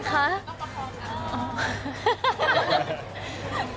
ลอกประพอบลน่ะ